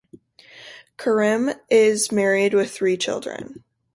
Karim is married with three children.